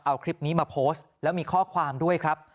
เอาคลิปนี้มาโพสต์แล้วมีข้อความด้วยครับ